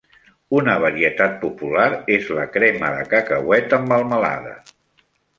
Una varietat popular és la crema de cacauet amb melmelada.